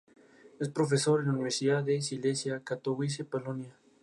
Representantes de varias organizaciones estuvieron presentes en la firma del tratado.